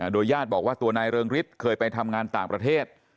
โดยญาติบอกว่าตัวนายเริงฤทธิ์เคยไปทำงานต่างประเทศ